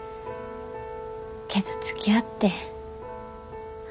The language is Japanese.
けどつきあって。